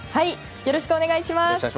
よろしくお願いします。